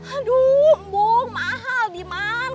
aduh bu mahal diman